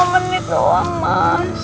lima menit doang mas